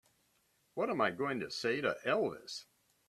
What am I going to say to Elvis?